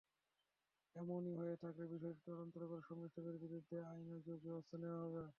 এমনটি হয়ে থাকলে বিষয়টি তদন্ত করে সংশ্লিষ্টদের বিরুদ্ধে আইনানুগ ব্যবস্থা নেওয়া হবে।